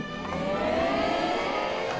へえ。